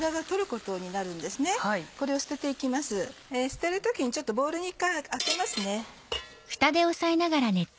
捨てる時にちょっとボウルに１回あけますね。